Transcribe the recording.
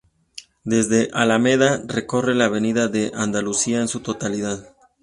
Desde la Alameda, recorre la Avenida de Andalucía en su totalidad.